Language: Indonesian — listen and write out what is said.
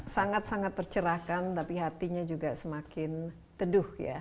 sangat sangat tercerahkan tapi hatinya juga semakin teduh ya